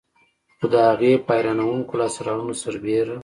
خو د هغې پر حیرانوونکو لاسته راوړنو سربېر.